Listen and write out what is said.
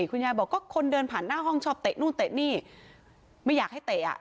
คุณยายบอกก็คนเดินผ่านหน้าห้องชอบเตะนู่นเตะนี่ไม่อยากให้เตะอ่ะ